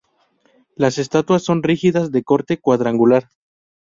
Las estatuas son rígidas, de corte cuadrangular.